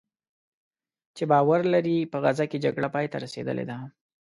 چې باور لري "په غزه کې جګړه پایته رسېدلې ده"